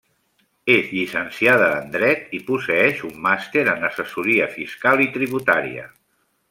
És llicenciada en Dret i posseeix un màster en Assessoria Fiscal i Tributària.